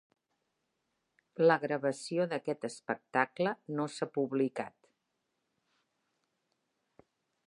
La gravació d'aquest espectacle no s'ha publicat.